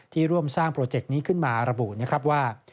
ที่ร่วมสร้างโปรเจกต์นี้ขึ้นมาระบุว่า